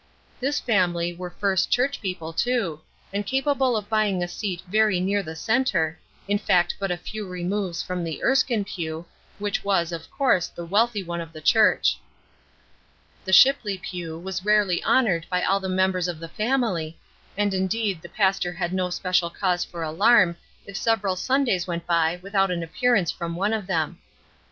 This family were First Church people, too, and capable of buying a seat very near the centre, in fact but a few removes from the Erskine pew, which was, of course, the wealthy one of the church. The Shipley pew was rarely honored by all the members of the family, and indeed the pastor had no special cause for alarm if several Sundays went by without an appearance from one of them.